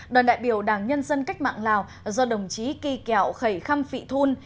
đoàn đại biểu đảng nhân dân cách mạng lào do đồng chí kỳ kẹo khẩy khăm phị thun